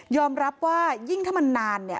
ยอมรับว่ายิ่งถ้ามันนาน